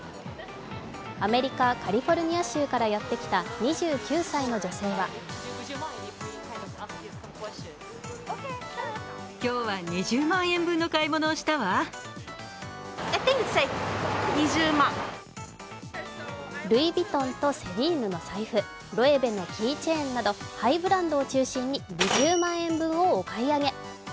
アメリカ・カリフォルニア州からやってきた２９歳の女性はルイ・ヴィトンとセリーヌの財布、ロエベのキーチェーンなどハイブランドを中心に２０万円分をお買い上げ。